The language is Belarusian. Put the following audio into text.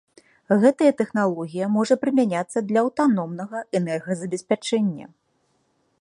Гэтая тэхналогія можа прымяняцца для аўтаномнага энергазабеспячэння.